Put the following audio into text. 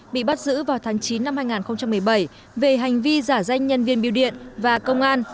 bị bắt giữ vào tháng chín năm hai nghìn một mươi bảy về hành vi giả danh nhân viên biêu điện và công an